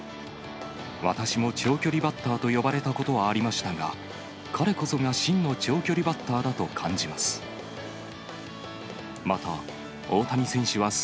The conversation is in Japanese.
私も長距離バッターと呼ばれたことはありましたが、彼こそが真の長距離バッターだと感じます。